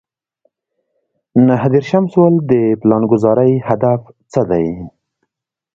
نهه دېرشم سوال د پلانګذارۍ هدف څه دی.